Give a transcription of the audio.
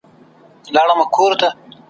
چي یې زور د مټو نه وي تل زبون دی ,